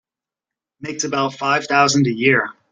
Makes about five thousand a year.